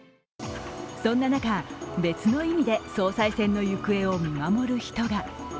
そんな中、別の意味で総裁選の行方を見守る人が。